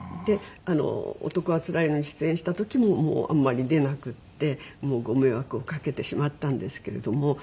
『男はつらいよ』に出演した時ももうあんまり出なくってご迷惑をかけてしまったんですけれども。